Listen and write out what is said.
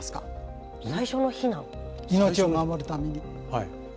命を守るために。